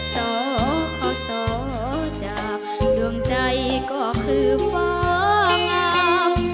สขจากดวงใจก็คือฟ้างาม